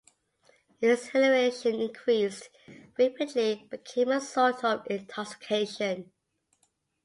His exhilaration increased rapidly, became a sort of intoxication.